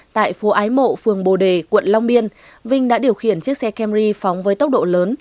tại phố ái mộ phường bồ đề quận long biên vinh đã điều khiển chiếc xe camry phóng với tốc độ lớn